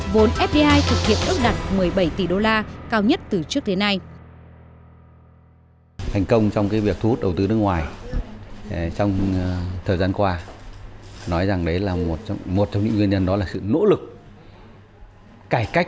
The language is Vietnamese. vốn fdi thực hiện ước đạt một mươi bảy tỷ đô la cao nhất từ trước đến nay